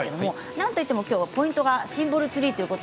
なんといってもポイントがシンボルツリーです。